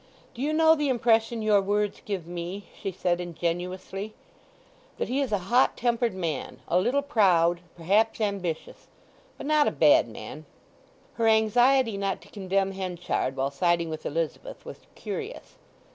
"Do you know the impression your words give me?" she said ingenuously. "That he is a hot tempered man—a little proud—perhaps ambitious; but not a bad man." Her anxiety not to condemn Henchard while siding with Elizabeth was curious.